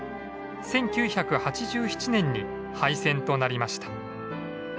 １９８７年に廃線となりました。